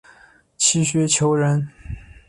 齐学裘人。